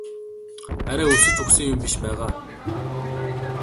Арай өлсөж үхсэн юм биш байгаа?